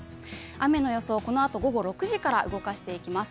雨の予想、このあと午後６時から動かしていきます。